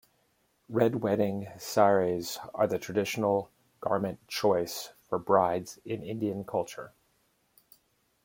Red wedding saris are the traditional garment choice for brides in Indian culture.